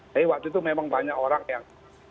tapi waktu itu memang banyak orang yang